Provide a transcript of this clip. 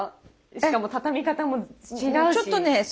しかも畳み方も違うし。